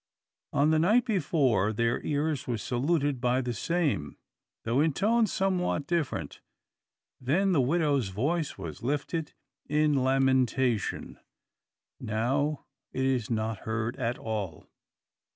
On the night before their ears were saluted by the same, though in tones somewhat different. Then the widow's voice was lifted in lamentation; now it is not heard at all.